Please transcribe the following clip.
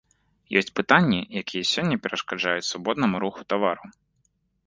Ёсць пытанні, якія сёння перашкаджаюць свабоднаму руху тавараў.